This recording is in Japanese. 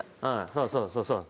そうそうそうそう。